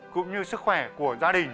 cũng như sức khỏe của gia đình